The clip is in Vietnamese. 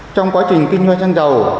trong quá trình kinh doanh xăng dầu